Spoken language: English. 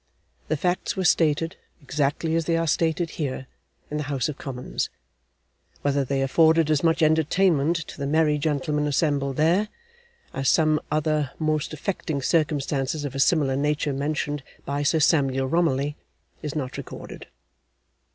The facts were stated, exactly as they are stated here, in the House of Commons. Whether they afforded as much entertainment to the merry gentlemen assembled there, as some other most affecting circumstances of a similar nature mentioned by Sir Samuel Romilly, is not recorded.